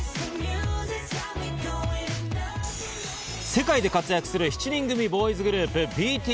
世界で活躍する７人組ボーイズグループ、ＢＴＳ。